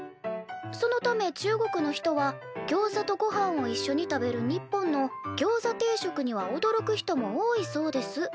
そのため中国の人はギョウザとごはんをいっしょに食べる日本のギョウザ定食にはおどろく人も多いそうです」。